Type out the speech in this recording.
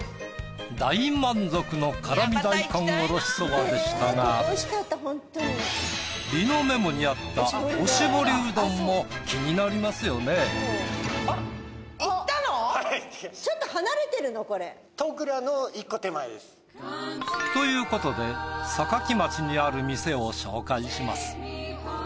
大満足の辛味大根おろしそばでしたが梨乃メモにあったおしぼりうどんも気になりますよね。ということで坂城町にある店を紹介します。